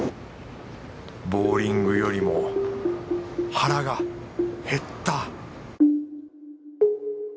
ボウリングよりも腹が減った！